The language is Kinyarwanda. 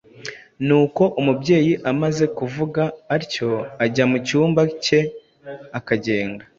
Nuko umubyeyi amaze kuvuga atyo ajya mu cyumba ke, akagenda